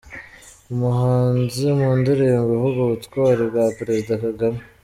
Umuhanzi mu ndirimbo ivuga ubutwari bwa Perezida Kagame